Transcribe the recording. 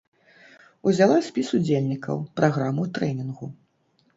Узяла спіс удзельнікаў, праграму трэнінгу.